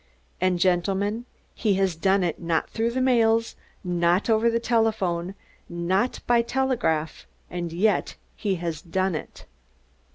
And, gentlemen, he has done it not through the mails, not over the telephone, not by telegraph, and yet he has done it."